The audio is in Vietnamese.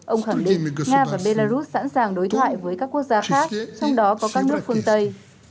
ông khẳng định nga và belarus sẵn sàng đối thoại với các quốc gia khác trong đó có các nước phương tây